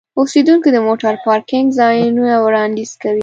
اوسیدونکي د موټر پارکینګ ځایونه وړاندیز کوي.